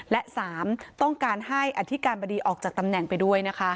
และ๓ต้องการให้อธิการบดีออกจากตำแหน่งไปด้วยนะคะ